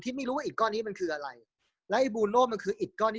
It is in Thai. ที่ไม่รู้ว่าอีกก้อนนี้มันคืออะไรแล้วบูนโลด์มันคืออีกกล้อนนี้